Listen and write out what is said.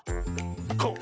こう。